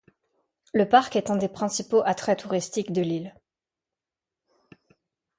Le parc est un des principaux attraits touristiques de l'ile.